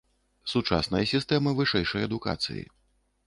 Сучасная сістэма вышэйшай адукацыі.